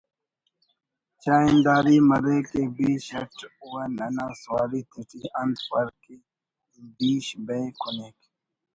چاہنداری مرے کہ بیش اٹ و ننا سواری تیٹی انت فرق ءِ بیش بئے کنیک